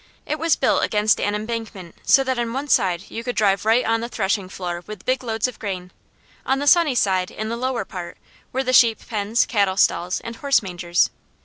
It was built against an embankment so that on one side you could drive right on the threshing floor with big loads of grain. On the sunny side in the lower part were the sheep pens, cattle stalls, and horse mangers.